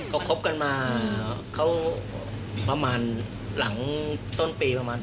เขาคบกันมาเขาประมาณหลังต้นปีประมาณ